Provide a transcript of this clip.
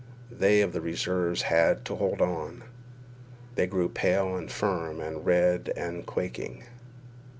They of the reserves had to hold on. They grew pale and firm, and red and quaking.